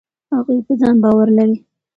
هغوی په ځان باور لري.